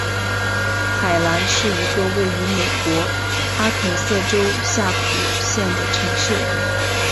海兰是一个位于美国阿肯色州夏普县的城市。